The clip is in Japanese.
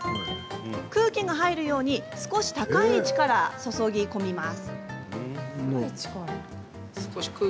空気が入るように少し高い位置から注ぎ込みます。